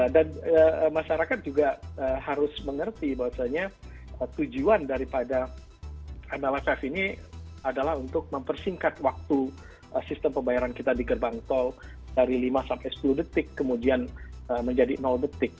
dan masyarakat juga harus mengerti bahwasanya tujuan dari pada mlrsf ini adalah untuk mempersingkat waktu sistem pembayaran kita di gerbang tol dari lima sampai sepuluh detik kemudian menjadi detik